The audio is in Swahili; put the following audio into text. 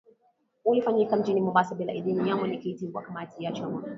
Ulifanyika mjini Mombasa bila idhini ya mwenyekiti wala kamati ya chama